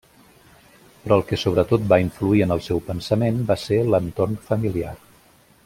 Però el que sobretot va influir en el seu pensament va ser l’entorn familiar.